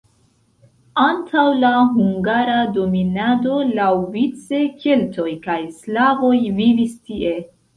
Antaŭ la hungara dominado laŭvice keltoj kaj slavoj vivis tie.